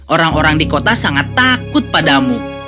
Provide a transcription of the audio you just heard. orang orang di kota sangat takut padamu